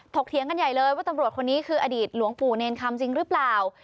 เถียงกันใหญ่เลยว่าตำรวจคนนี้คืออดีตหลวงปู่เนรคำจริงหรือเปล่า